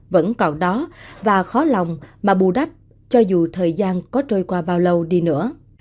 vẫn còn đó và khó lòng mà bù đắp cho dù thời gian có trôi qua bao lâu đi nữa